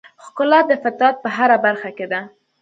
ښکلا د فطرت په هره برخه کې ده.